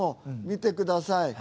見てください。